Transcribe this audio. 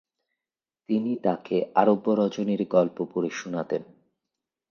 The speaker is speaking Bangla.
তিনি তাকে আরব্য রজনীর গল্প পড়ে শুনাতেন।